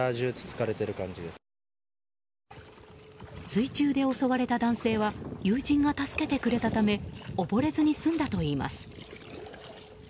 水中で襲われた男性は友人が助けてくれたため溺れずに済んだといいます。